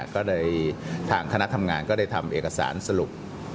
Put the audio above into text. ก็เลยทางคณะทำงานก็ได้ทำเอกสารสรุป